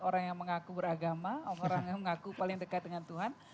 orang yang mengaku beragama orang yang mengaku paling dekat dengan tuhan